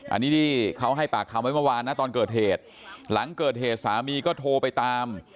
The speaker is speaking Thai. อันนี้ที่เขาให้ปากคำไว้เมื่อวานนะตอนเกิดเหตุหลังเกิดเหตุสามีก็โทรไปตาม